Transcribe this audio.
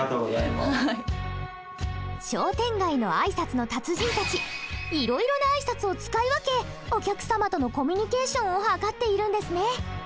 商店街の挨拶の達人たちいろいろな挨拶を使い分けお客様とのコミュニケーションを図っているんですね。